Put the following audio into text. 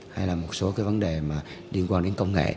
hay là một số cái vấn đề mà liên quan đến công nghệ